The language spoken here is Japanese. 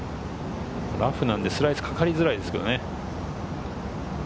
ラフなんで、スライスかかりづらいですけどね。